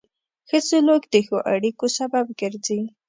ښه سلوک د ښو اړیکو سبب ګرځي.